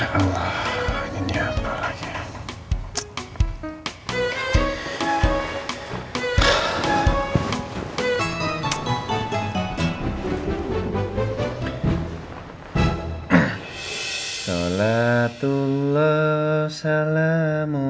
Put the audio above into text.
ya allah nyanyi apa lagi